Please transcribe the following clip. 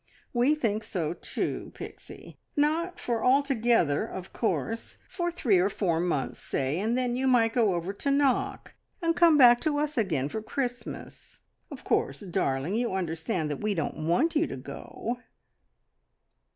We think so too, Pixie. Not for altogether, of course. For three or four months, say; and then you might go over to Knock, and come back to us again for Christmas. Of course, darling, you understand that we don't want you to go!"